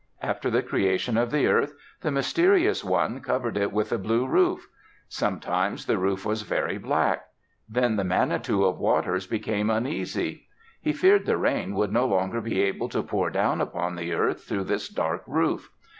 After the Creation of the earth, the Mysterious One covered it with a blue roof. Sometimes the roof was very black. Then the Manitou of Waters became uneasy. He feared the rain would no longer be able to pour down upon the earth through this dark roof.